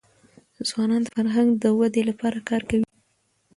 ځوانان د فرهنګ د ودې لپاره کار کوي.